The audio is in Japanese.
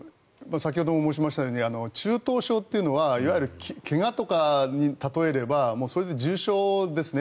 先ほども申したように中等症というのは怪我とかに例えればそれで重症ですね。